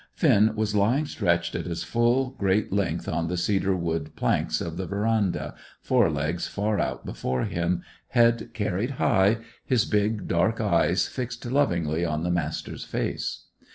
Finn was lying stretched at his full great length on the cedar wood planks of the verandah, fore legs far out before him, head carried high, his big, dark eyes fixed lovingly on the Master's face.